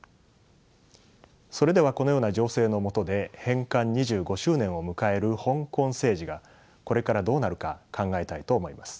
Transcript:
それではこのような情勢の下で返還２５周年を迎える香港政治がこれからどうなるか考えたいと思います。